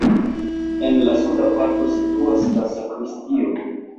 En la suda parto situas la sakristio.